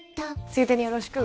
ついでによろしく！